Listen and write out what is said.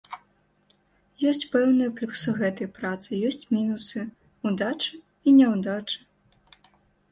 Ёсць пэўныя плюсы гэтай працы, ёсць мінусы, удачы і няўдачы.